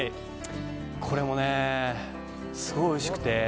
これもね、すごいおいしくて。